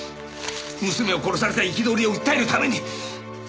娘を殺された憤りを訴えるために。